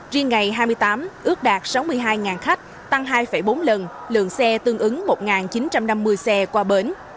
riêng ngày hai mươi tám ước đạt sáu mươi hai khách tăng hai bốn lần lượng xe tương ứng một chín trăm năm mươi xe qua bến